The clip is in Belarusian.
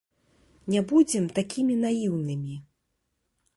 Не будзем такімі наіўнымі.